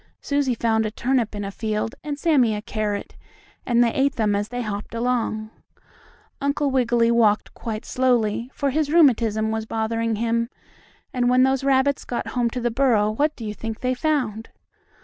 Susie found a turnip in a field, and Sammie a carrot, and they ate them as they hopped along. Uncle Wiggily walked quite slowly, for his rheumatism was bothering him, and when those rabbits got home to the burrow, what do you think they found?